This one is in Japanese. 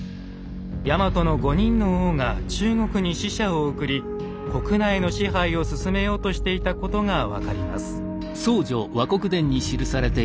ヤマトの５人の王が中国に使者を送り国内の支配を進めようとしていたことが分かります。